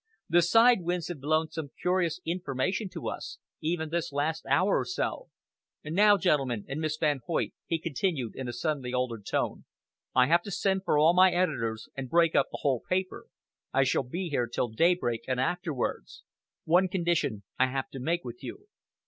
The side winds have blown some curious information to us, even this last hour or so! Now, gentlemen, and Miss Van Hoyt," he continued in a suddenly altered tone, "I have to send for all my editors and break up the whole paper. I shall be here till daybreak and afterwards. One condition I have to make with you."